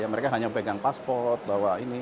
mereka hanya pegang paspor bawa ini